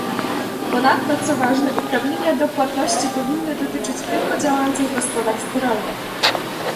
Ponadto, co ważne, uprawnienia do płatności powinny dotyczyć tylko działających gospodarstw rolnych